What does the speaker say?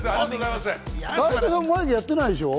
眉毛やってないでしょ？